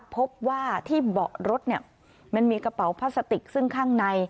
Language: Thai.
พบว่าที่เบาะรถมันมีกระเป๋าพลาสติกซึ่งข้างใน